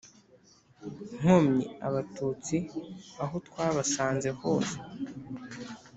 nkomyi Abatutsi aho twabasanze hose